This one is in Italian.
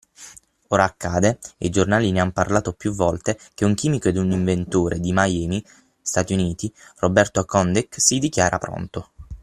Ora accade – e i giornali ne han parlato più volte – che un chimico ed un inventore di Miami (Stati Uniti), Roberto Condit, si dichiara pronto… .